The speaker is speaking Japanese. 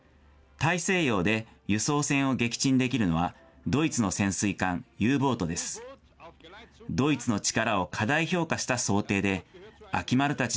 大西洋で輸送船を撃沈できるのは、ドイツの潜水艦Ｕボートです。